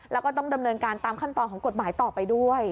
แล้วก็ต้องดำเนินการตามขั้นตอนของกฎหมายต่อไปด้วย